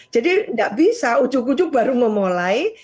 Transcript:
jadi tidak bisa ujuk ujuk baru memulai